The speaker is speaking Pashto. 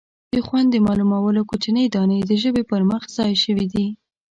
د خوند د معلومولو کوچنۍ دانې د ژبې پر مخ ځای شوي دي.